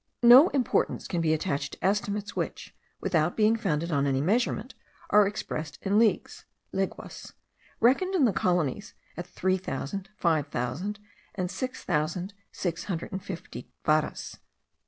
No importance can be attached to estimates which, without being founded on any measurement, are expressed in leagues (leguas) reckoned in the colonies at three thousand, five thousand, and six thousand six hundred and fifty varas.